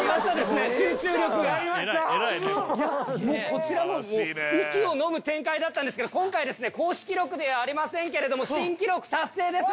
こちらももう息をのむ展開だったんですけど今回ですね公式記録ではありませんけれども新記録達成です！